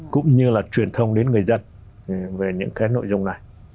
cũng như là truyền thông đến người dân về những cái nội dung này